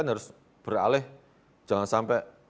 harus beralih jangan sampai